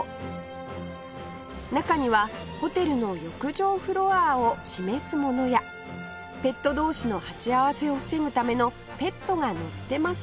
中にはホテルの浴場フロアを示すものやペット同士の鉢合わせを防ぐための「ペットが乗ってます」